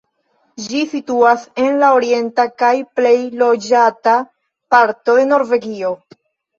Ĝi situas en la orienta kaj plej loĝata parto de Norvegio.